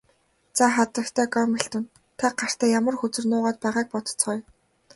За хатагтай Гамильтон та гартаа ямар хөзөр нуугаад байгааг бодоцгооё.